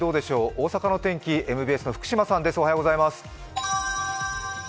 大阪の天気、ＭＢＳの福島さんです。